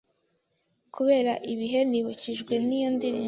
kubera ibihe nibukijwe n` iyo ndirimbo